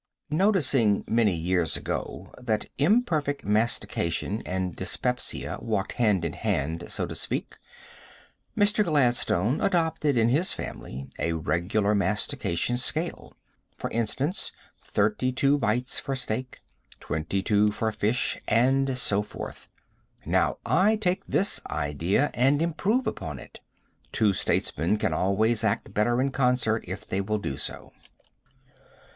Noticing many years ago that imperfect mastication and dyspepsia walked hand in hand, so to speak, Mr. Gladstone adopted in his family a regular mastication scale; for instance, thirty two bites for steak, twenty two for fish, and so forth. Now I take this idea and improve upon it. Two statesmen can always act better in concert if they will do so.